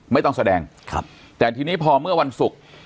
ไม่ต้องแสดงครับแต่ทีนี้พอเมื่อวันศุกร์